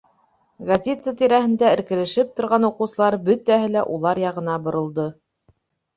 Газета тирәһендә эркелешеп торған уҡыусылар бөтәһе лә улар яғына боролдо.